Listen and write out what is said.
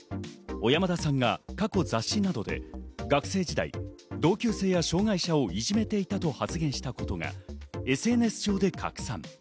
小山田さんが過去、雑誌などで学生時代、同級生や障がい者をいじめていたと発言したことがＳＮＳ上で拡散。